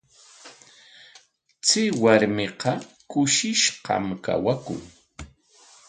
Chay warmiqa kushishqam kawakun.